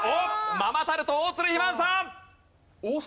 ママタルト大鶴肥満さん。